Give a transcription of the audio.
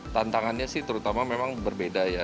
tantangannya sih terutama memang berbeda ya